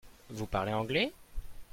Vous parlez anglais ?